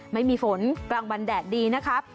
ไม่มีฝนกลางวันแดดดีนะครับ